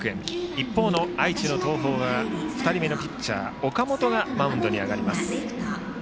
一方の愛知の東邦は２人目のピッチャー岡本がマウンドに上がります。